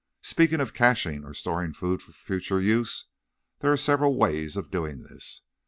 Speaking of caching or storing food for future use, there are several ways of doing this.